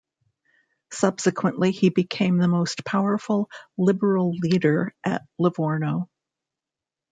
Subsequently he became the most powerful Liberal leader at Livorno.